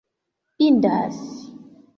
indas